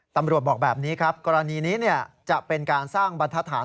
บอกแบบนี้ครับกรณีนี้จะเป็นการสร้างบรรทฐาน